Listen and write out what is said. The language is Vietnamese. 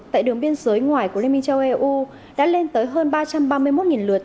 tại đường biên giới ngoài của liên minh châu âu đã lên tới hơn ba trăm ba mươi một lượt